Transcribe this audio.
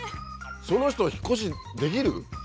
そんな人引っ越しできる？